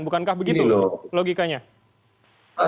bukankah begitu logikanya